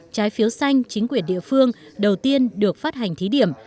trái phiếu xanh chính quyền địa phương đầu tiên được phát hành thí điểm